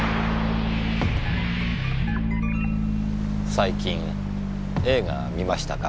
最近映画観ましたか？